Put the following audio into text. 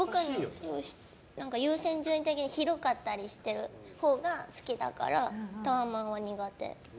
優先順位的に広かったりしてるほうが好きだから、タワマンは苦手。